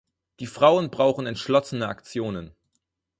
Die Frauen brauchen entschlossene Aktionen.